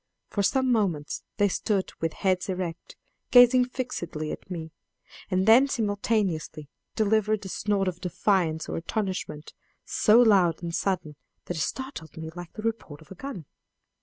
For some moments they stood with heads erect, gazing fixedly at me, and then simultaneously delivered a snort of defiance or astonishment, so loud and sudden that it startled me like the report of a gun.